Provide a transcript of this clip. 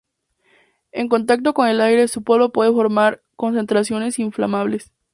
En contacto con el aire, su polvo puede formar concentraciones inflamables.